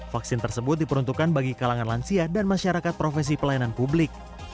vaksin tersebut diperuntukkan bagi kalangan lansia dan masyarakat profesi pelayanan publik